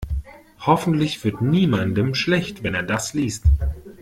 Hoffentlich wird niemandem schlecht, wenn er das liest.